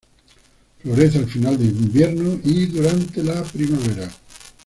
Florece al final del invierno y durante la primavera.